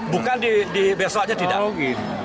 bukan di besoknya tidak